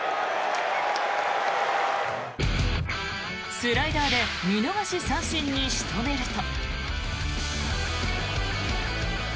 スライダーで見逃し三振に仕留めると。